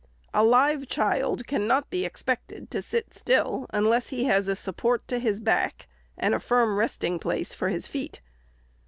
A live child cannot be expected to sit still, unless he has a support to his back, and a firm resting place for his feet.